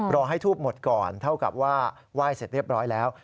รอให้ทูบหมดก่อนเท่ากับว่าไหว้เสร็จเรียบร้อยแล้ว